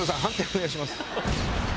お願いします。